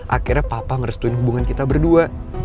akhirnya papa ngerestuin hubungan kita berdua